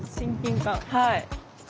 はい。